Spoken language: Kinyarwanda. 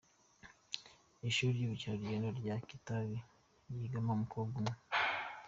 Ishuri ry’ubukerarugendo rya Kitabi higamo umukobwa umwe